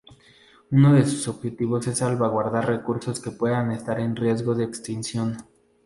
Uno de sus objetivos es salvaguardar recursos que puedan estar en riesgo de extinción.